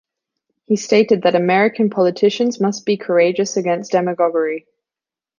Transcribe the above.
He stated that American politicians must be courageous against demagoguery.